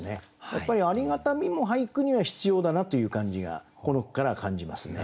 やっぱりありがたみも俳句には必要だなという感じがこの句から感じますね。